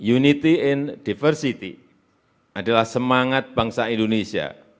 unity and diversity adalah semangat bangsa indonesia